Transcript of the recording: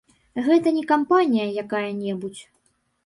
Гэта не кампанія якая-небудзь.